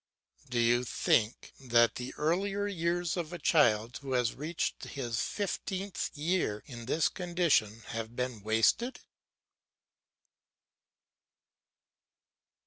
Do you think that the earlier years of a child, who has reached his fifteenth year in this condition, have been wasted?